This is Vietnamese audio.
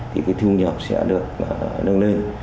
thì cái thiêu nhập sẽ được nâng lên